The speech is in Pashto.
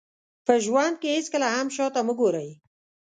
په ژوند کې هېڅکله هم شاته مه ګورئ.